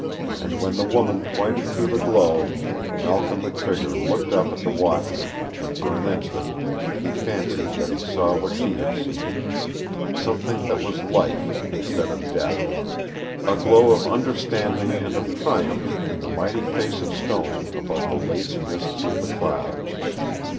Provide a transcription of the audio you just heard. And when the woman pointed through the glow, Malcolm McTrigger looked up at the Watcher, and for an instant he fancied that he saw what she had seen something that was life instead of death, a glow of understanding and of triumph in the mighty face of stone above the lace mists of the clouds.